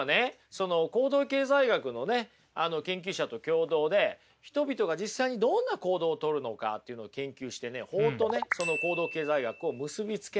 その行動経済学のね研究者と共同で人々が実際にどんな行動をとるのかというのを研究してね法とねその行動経済学を結び付けました。